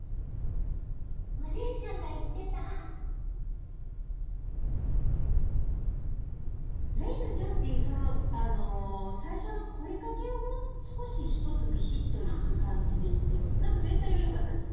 「お姉ちゃんが言ってた」「令依菜ちゃん」ってそのあの最初の声かけをもう少しひとつビシッといく感じで言って何か全体はよかったです